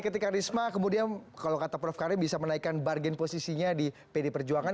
ketika risma kemudian kalau kata prof karim bisa menaikkan bargain posisinya di pd perjuangan